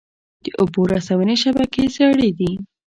د اوبو رسونې شبکې زړې دي؟